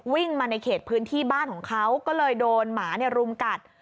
วิ่งมาในเขตพื้นที่บ้านของเขาก็เลยโดนหมารุมกัด